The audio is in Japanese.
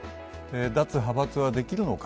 脱派閥はできるのか。